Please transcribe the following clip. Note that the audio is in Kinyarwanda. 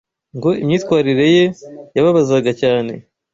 ngo imyitwarire ye yababazaga cyane